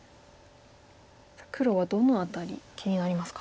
さあ黒はどの辺り気になりますか？